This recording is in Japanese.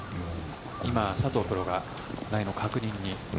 今、佐藤プロがライの確認に。